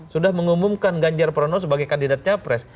sudah mengumumkan ganjar pranowo sebagai kandidat capres